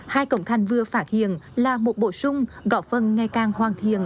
hai cổng thanh vừa phả hiền là một bổ sung gọt phân ngay càng hoang thiền